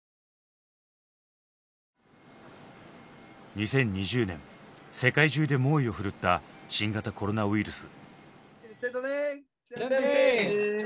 ２０２０年世界中で猛威をふるった新型コロナウイルス。